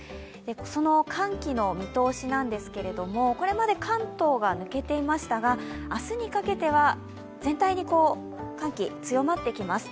その寒気の見通しなんですけどこれまで関東が抜けていましたが明日にかけては全体に寒気、強まってきます。